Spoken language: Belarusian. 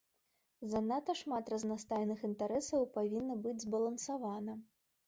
Занадта шмат разнастайных інтарэсаў павінна быць збалансавана.